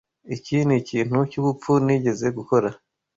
Iki nikintu cyubupfu nigeze gukora.